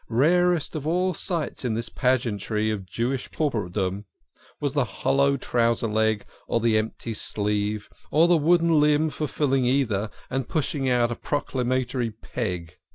Rarest of all sights in this pageantry of Jewish pauperdom was the hollow trouser leg or the empty sleeve, or the wooden limb fulfill ing either and pushing out a proclamatory peg.